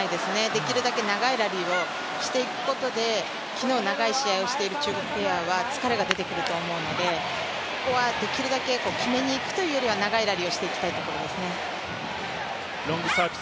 できるだけ長いラリーをしていくことで、昨日長い試合をしている中国は疲れが出てくると思うのでここはできるだけ決めにいくというよりは長いラリーをしていきたいところですね。